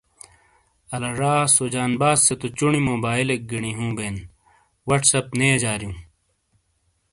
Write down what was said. آلا ژا سو جانباز سے تو چونی موبائلیک گینی ہوں بین واٹس اپ نے یجاریوں